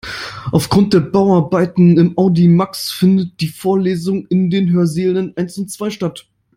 Aufgrund der Bauarbeiten im Audimax findet die Vorlesung in den Hörsälen eins und zwei statt.